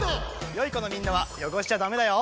よいこのみんなはよごしちゃだめだよ。